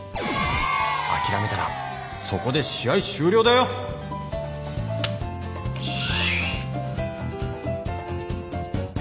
諦めたらそこで試合終了だよ！よし！